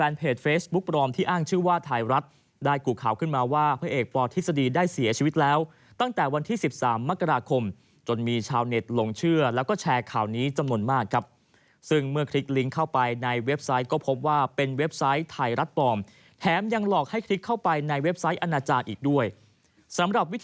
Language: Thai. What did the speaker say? และไทรัฐทีวีก็ขอยืนยันว่าข่าวนี้ไม่เป็นความจริงครับ